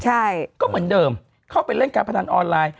ใช่ก็เหมือนเดิมเข้าไปเล่นการพนันออนไลน์